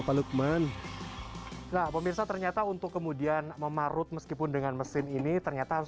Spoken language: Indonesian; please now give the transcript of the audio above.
pak lukman nah pemirsa ternyata untuk kemudian memarut meskipun dengan mesin ini ternyata harus